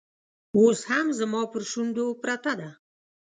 اوس هم زما پر شونډو پرته ده